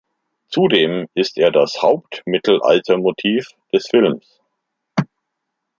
Zudem ist er das Haupt-Mittelalter-Motiv des Films.